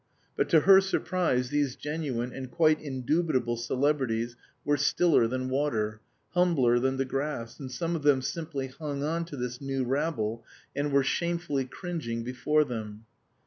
But to her surprise these genuine and quite indubitable celebrities were stiller than water, humbler than the grass, and some of them simply hung on to this new rabble, and were shamefully cringing before them.